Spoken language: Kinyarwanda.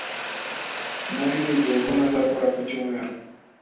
Nari nizeye ko ntazakora ku cyumweru.